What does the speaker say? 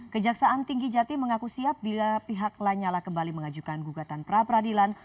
kejaksaan tinggi jati mengaku siap bila pihak lanyala kembali mengajukan gugatan pra peradilan